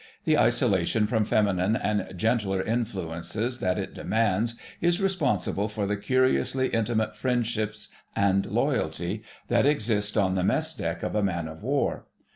The isolation from feminine and gentler influences that it demands is responsible for the curiously intimate friendships and loyalty that exist on the mess deck of a man of war.